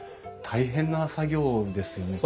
大変な作業ですよねきっと。